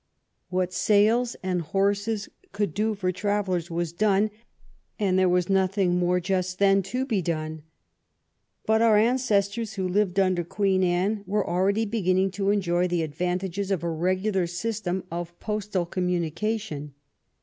What sails and horses could do for travellers was done, and there was nothing more, just then, to be done. But our ancestors who lived under Queen Anne were already beginning to enjoy the ad vantages of a regular system of postal communication.